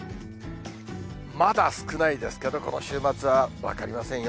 まだ少ないですけど、今週末は分かりませんよ。